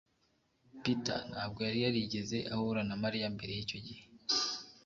peter ntabwo yari yarigeze ahura na mariya mbere yicyo gihe